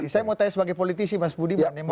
saya mau tanya sebagai politisi mas budiman